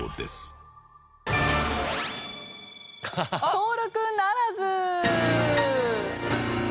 登録ならず！